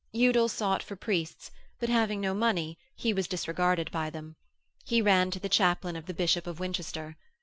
Udal sought for priests, but having no money, he was disregarded by them. He ran to the chaplain of the Bishop of Winchester.